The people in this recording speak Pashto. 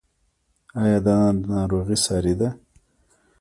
ایا دا ناروغي ساري ده؟